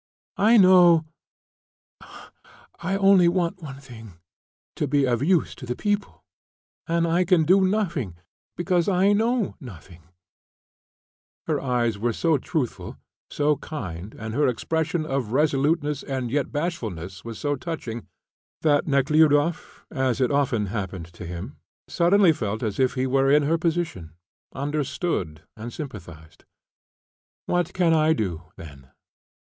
"I know I only want one thing to be of use to the people, and I can do nothing because I know nothing " Her eyes were so truthful, so kind, and her expression of resoluteness and yet bashfulness was so touching, that Nekhludoff, as it often happened to him, suddenly felt as if he were in her position, understood, and sympathised. "What can I do, then?"